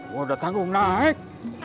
gue mau naik